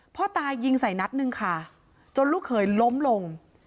พ่อตายิงใส่นัดหนึ่งค่ะจนลูกเขยล้มลง